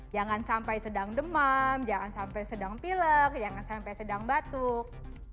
jangan sampai sedang demam jangan sampai sedang pilek jangan sampai sedang batuk